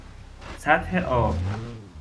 سطح آب